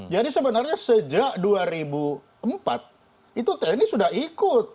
jadi sebenarnya sejak dua ribu empat itu tni sudah ikut